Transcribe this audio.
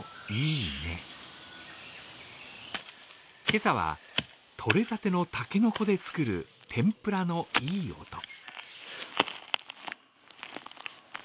今朝は、とれたての竹の子で作る天ぷらのいい音。